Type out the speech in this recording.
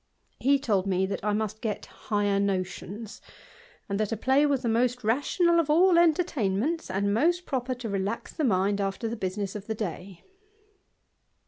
H^ told me that I must get higher notions, and that a play was the most rational of all entertainments, and most proper to relax the mind after the business of the day.